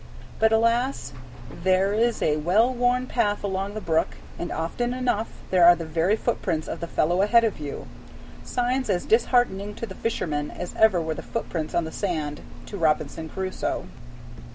But alas, there is a well worn path along the brook, and often enough there are the very footprints of the "fellow ahead of you," signs as disheartening to the fisherman as ever were the footprints on the sand to Robinson Crusoe.